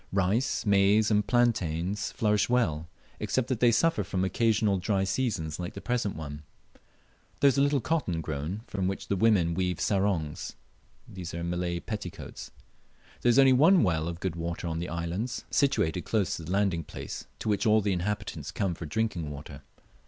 Rice, maize, and plantains flourish well, except that they suffer from occasional dry seasons like the present one. There is a little cotton grown, from which the women weave sarongs (Malay petticoats). There is only one well of good water on the islands, situated close to the landing place, to which all the inhabitants come for drinking water.